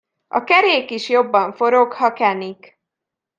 A kerék is jobban forog, ha kenik.